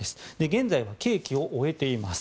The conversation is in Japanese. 現在は刑期を終えています。